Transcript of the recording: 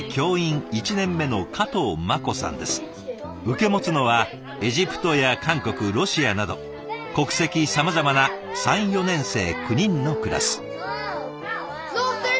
受け持つのはエジプトや韓国ロシアなど国籍さまざまな３４年生９人のクラス。